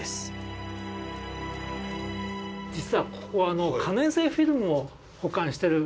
実はここ可燃性フィルムを保管してる。